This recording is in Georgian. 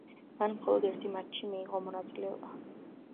მან მხოლოდ ერთ მატჩში მიიღო მონაწილეობა.